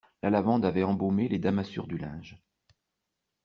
La lavande avait embaumé les damassures du linge.